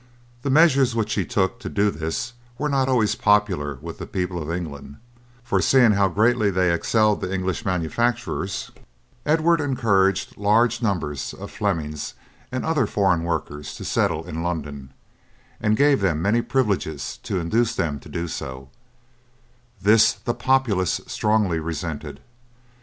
The measures which he took to do this were not always popular with the people of England, for seeing how greatly they excelled the English manufacturers Edward encouraged large numbers of Flemings and other foreign workmen to settle in London, and gave them many privileges to induce them to do so; this the populace strongly resented.